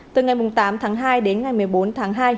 từ ngày tám tháng hai đến ngày một mươi bốn tháng hai